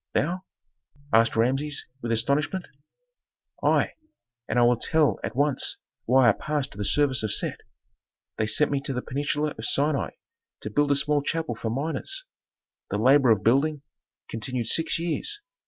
"Thou?" asked Rameses, with astonishment. "I, and I will tell at once why I passed to the service of Set. They sent me to the peninsula of Sinai to build a small chapel for miners. The labor of building continued six years.